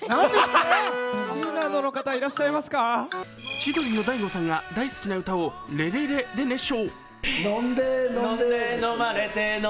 千鳥の大悟さんが大好きな歌をレレレで熱唱。